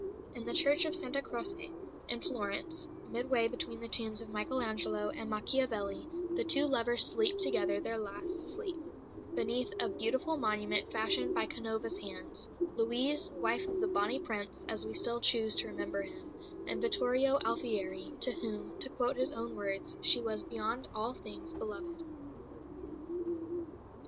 In the Church of Santa Croce, in Florence, midway between the tombs of Michael Angelo and Machiavelli, the two lovers sleep together their last sleep, beneath a beautiful monument fashioned by Canova's hands Louise, wife of the "Bonnie Prince" (as we still choose to remember him) and Vittorio Alfieri, to whom, to quote his own words, "she was beyond all things beloved."